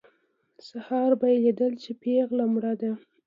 سهار به یې لیدل چې پېغله مړه ده.